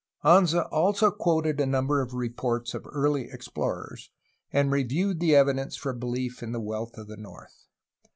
Anza also quoted a number of reports of early explorers, and reviewed the evidence for belief in the wealth of the north.